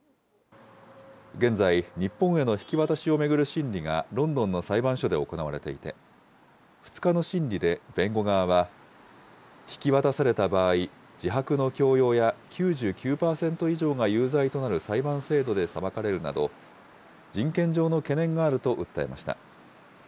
現在、日本への引き渡しを巡る審理がロンドンの裁判所で行われていて、２日の審理で弁護側は、引き渡された場合、自白の強要や９９％以上が有罪となる裁判制度で裁かれるなど、人権上の懸念があると訴えました。